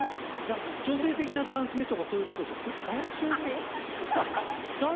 女性的な男性とかそういうことですか？